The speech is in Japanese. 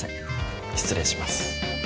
失礼します。